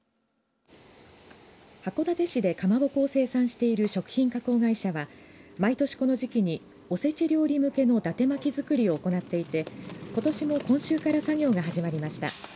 函館市でかまぼこを生産している食品加工会社は毎年この時期におせち料理向けのだて巻きづくりを行っていてことしも今週から作業が始まりました。